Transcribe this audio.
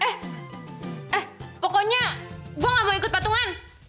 eh pokoknya gue gak mau ikut patungan